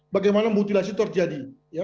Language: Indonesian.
bagaimana mutilasi terjadi